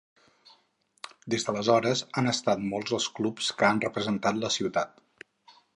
Des d'aleshores han estat molts els clubs que han representat la ciutat.